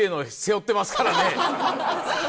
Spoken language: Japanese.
ハハハハ！